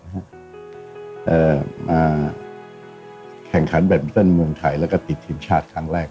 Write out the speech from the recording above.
มาแข่งขันแบบเติ้ลเมืองไทยแล้วก็ติดทีมชาติครั้งแรก